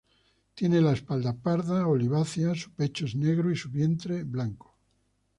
Tiene la espalda parda olivácea, su pecho es negro y su vientre blanco.